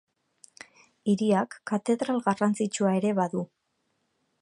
Hiriak katedral garrantzitsua ere badu.